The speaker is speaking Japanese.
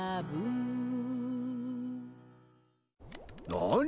何？